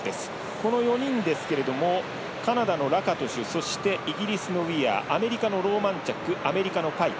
この４人ですけれどもカナダのラカトシュそして、イギリスのウィアーアメリカのローマンチャックアメリカのパイク。